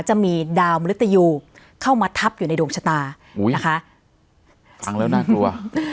จะมีดาวมริตยูเข้ามาทับอยู่ในดวงชะตาอุ้ยนะคะฟังแล้วน่ากลัว